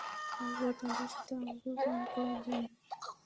তারপর তাদের সাথে আমাকেও পান করালেন।